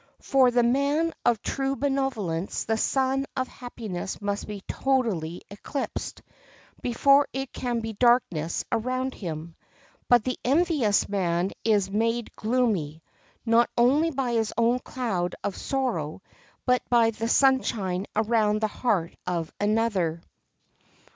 For the man of true benevolence the sun of happiness must be totally eclipsed before it can be darkness around him. But the envious man is made gloomy, not only by his own cloud of sorrow, but by the sunshine around the heart of another.